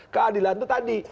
keadilan itu tadi